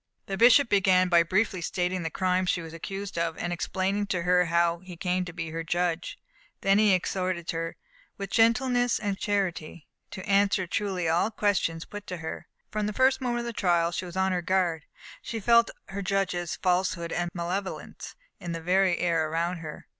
The bishop began by briefly stating the crimes she was accused of, and explaining to her how he came to be her judge. He then exhorted her, "with gentleness and charity," to answer truly all questions put to her. From the first moment of the trial she was on her guard. She felt her judges' falsehood and malevolence in the very air around her.